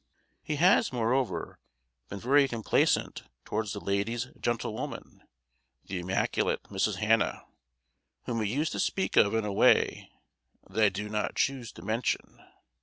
He has, moreover, been very complaisant towards the lady's gentlewoman, the immaculate Mrs. Hannah, whom he used to speak of in a way that I do not choose to mention.